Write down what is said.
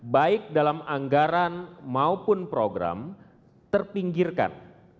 baik dalam anggaran maupun program terpinggirkan